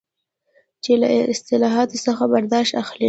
چې له اصطلاحاتو څنګه برداشت اخلي.